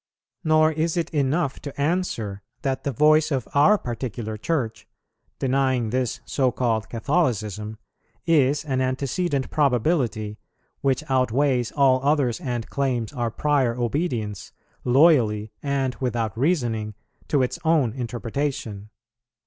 Nor is it enough to answer, that the voice of our particular Church, denying this so called Catholicism, is an antecedent probability which outweighs all others and claims our prior obedience, loyally and without reasoning, to its own interpretation.